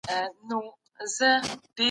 موږ شاګردانو ته یوازې معلومات ور نه کړل...